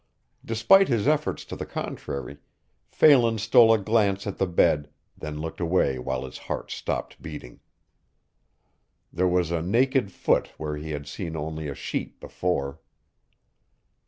Despite his efforts to the contrary, Phelan stole a glance at the bed, then looked away while his heart stopped beating. There was a naked foot where he had seen only a sheet before.